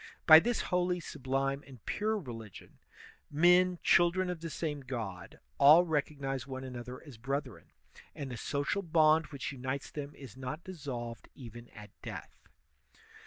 By this holy, sublime, and pure religion, men, children of the same God, all recognize one another as brethren, and the social bond which unites them is not dissolved even at death.